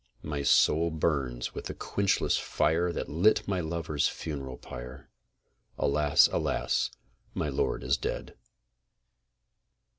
My soul burns with the quenchless fire That lit my lover's funeral pyre: Alas! alas! my lord is dead.